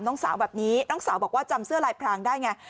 น้องสาวแบบนี้น้องสาวบอกว่าจำเสื้อลายพรางได้ไง